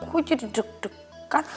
gue jadi deg deg kan